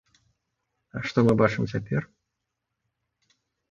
А што мы бачым цяпер?